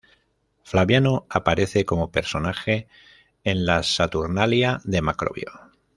Flaviano aparece como personaje en las "Saturnalia" de Macrobio.